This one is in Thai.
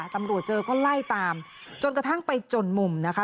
ตำรวจเจอก็ไล่ตามจนกระทั่งไปจนมุมนะคะ